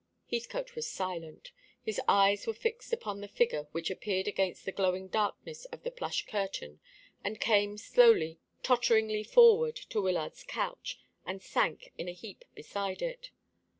Heathcote was silent. His eyes were fixed upon the figure which appeared against the glowing darkness of the plush curtain, and came slowly, totteringly forward to Wyllard's couch, and sank in a heap beside it.